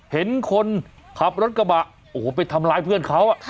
เห็นคนขับรถกระบะโอ้โหไปทำร้ายเพื่อนเขา